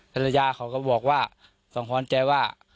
ภรรยาเขาก็บอกว่าสังหรณ์ใจว่า